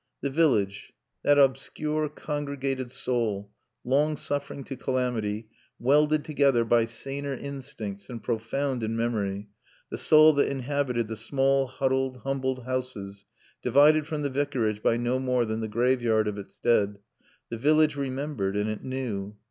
The village, that obscure congregated soul, long suffering to calamity, welded together by saner instincts and profound in memory, the soul that inhabited the small huddled, humble houses, divided from the Vicarage by no more than the graveyard of its dead, the village remembered and it knew.